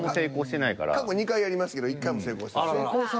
過去２回やりましたけど１回も成功してません。